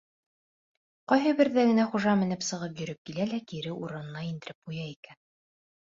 Ҡайһы берҙә генә хужа менеп сығып йөрөп килә лә кире урынына индереп ҡуя икән.